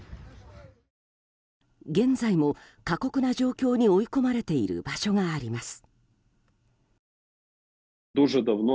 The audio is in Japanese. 現在も過酷な状況に追い込まれている場所があります。